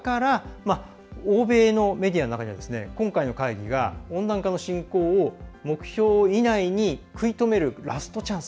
欧米のメディアの中では今回の会議が温暖化の進行を目標以内に食い止めるラストチャンス